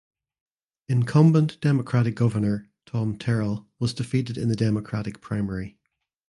Incumbent Democratic Governor Tom Terral was defeated in the Democratic primary.